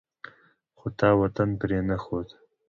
خو تا وطن پرې نه ښود.